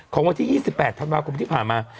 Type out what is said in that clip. วันที่๒๘ธันวาคมที่ผ่านมา